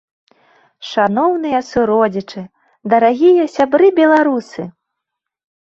Шаноўныя суродзічы, дарагія сябры беларусы!